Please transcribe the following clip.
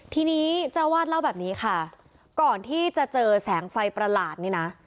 ทีนี้เจ้าวาดเล่าแบบนี้ค่ะก่อนที่จะเจอแสงไฟประหลาดนี่นะ